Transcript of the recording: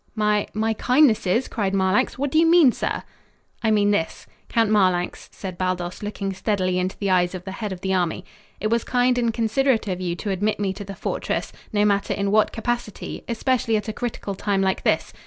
"My my kindnesses?" cried Marlanx. "What do you mean, sir?" "I mean this. Count Marlanx," said Baldos, looking steadily into the eyes of the head of the army. "It was kind and considerate of you to admit me to the fortress no matter in what capacity, especially at a critical time like this.